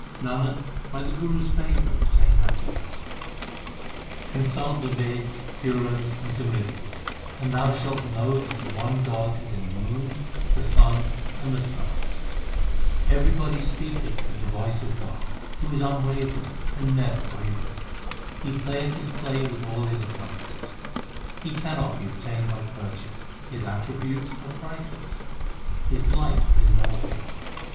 Nanak, by the Guru s favour obtain happiness ; 3 Consult the Veds, Purans, and Simritis, and thou shalt know That the one God is in the moon, the sun, and the stars. Everybody speaketh with the voice of God, 1 That is, God watches over them all. HYMNS OF GURU ARJAN 267 Who is unwavering and never wavereth. He playeth His play with all His appliances ; He cannot be obtained by purchase, His attributes are priceless ; His light is in all things.